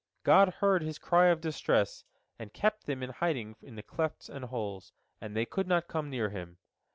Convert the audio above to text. God heard his cry of distress, and kept them in hiding in the clefts and the holes, and they could not come near him.